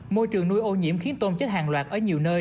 môi trường nuôi ô nhiễm khiến tôm chết hàng loạt ở nhiều nơi